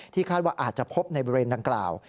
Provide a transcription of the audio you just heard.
คาดว่าอาจจะพบในบริเวณดังกล่าว